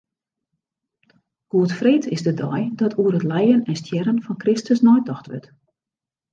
Goedfreed is de dei dat oer it lijen en stjerren fan Kristus neitocht wurdt.